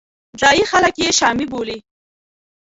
ځایي خلک یې شامي بولي.